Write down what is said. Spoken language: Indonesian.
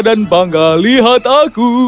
kepala setinggi mungkin lihat aku